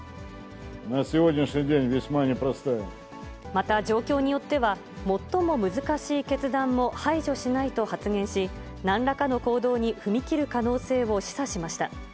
また状況によっては、最も難しい決断も排除しないと発言し、なんらかの行動に踏み切る可能性を示唆しました。